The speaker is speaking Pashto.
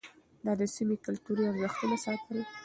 ده د سيمې کلتوري ارزښتونه ساتل.